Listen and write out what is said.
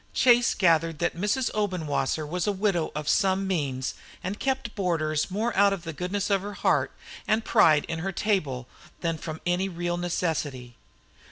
Chase gathered that Mrs. Obenwasser was a widow of some means and kept boarders more out of the goodness of her heart and pride in her table than from any real necessity.